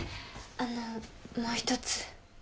あのもう一つ